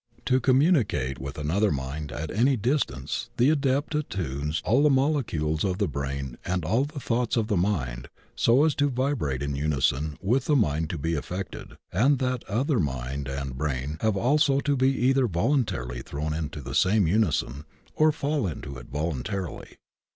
To communicate with another mind at any distance the Adept attunes all the molecules of the brain and all the thoughts of the mind so as to vibrate in unison 140 THE OCEAN OF THEOSOPHY with the mind to be affected, and that other mind and brain have also to be either voluntarily thrown into the same imison or fall into it voluntarily.